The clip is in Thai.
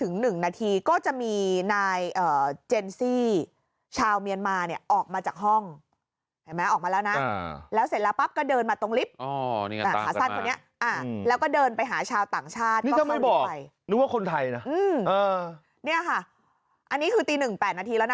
นี่ค่ะอันนี้คือตี๑๘นาทีแล้วนะคะ